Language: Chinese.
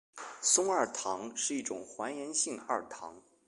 松二糖是一种还原性二糖。